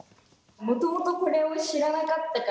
もともとこれを知らなかったから。